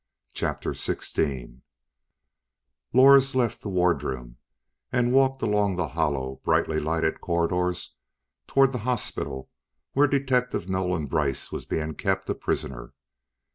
CHAPTER SIXTEEN Lors left the wardroom and walked along the hollow, brightly lighted corridors toward the hospital where Detective Nolan Brice was being kept a prisoner.